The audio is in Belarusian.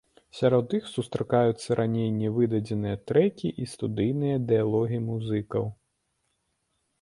Сярод іх сустракаюцца раней нявыдадзеныя трэкі і студыйныя дыялогі музыкаў.